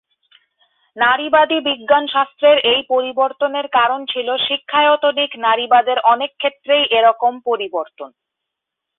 নারীবাদী বিজ্ঞান শাস্ত্রের এই পরিবর্তনের কারণ ছিল শিক্ষায়তনিক নারীবাদের অনেক ক্ষেত্রেই এরকম পরিবর্তন।